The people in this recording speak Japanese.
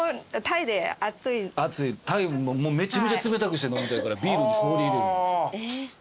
タイめちゃめちゃ冷たくして飲みたいからビールに氷入れる。